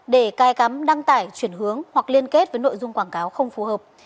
để cai cắm đăng tải chuyển hướng hoặc liên kết với nội dung quảng cáo không phù hợp